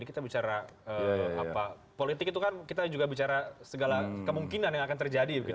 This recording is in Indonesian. kita bicara apa politik itu kan kita juga bicara segala kemungkinan yang akan terjadi